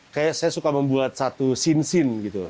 kayak saya suka membuat satu scene scene gitu